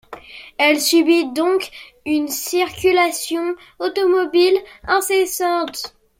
Elle subit donc une circulation automobile incessante.